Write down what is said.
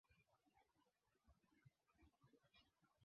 kikosi kikubwa cha Wasangu pamoja na Wahehe chini ya uongozi wa Wajerumani